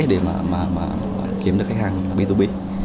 để mà kiếm được khách hàng b hai b